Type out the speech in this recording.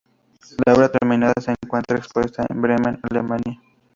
La obra terminada se encuentra expuesta en Bremen, Alemania.